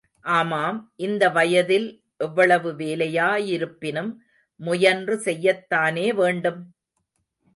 ஆமாம், இந்த வயதில் எவ்வளவு வேலையா யிருப்பினும் முயன்று செய்யத்தானே வேண்டும்?